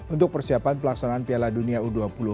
untuk persiapan pelaksanaan piala dunia u dua puluh